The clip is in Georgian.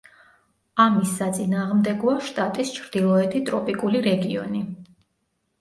ამის საწინააღმდეგოა შტატის ჩრდილოეთი ტროპიკული რეგიონი.